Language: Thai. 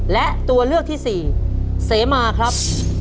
และตัวเลือกที่สี่เสมาครับ